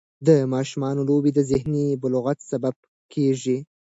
د ماشومانو لوبې د ذهني بلوغت سبب کېږي.